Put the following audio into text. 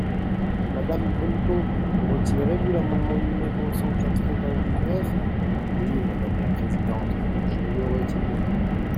Madame Bonneton, retirez-vous l’amendement numéro cent quatre-vingt-dix-neuf ? Oui, madame la présidente, je le retire.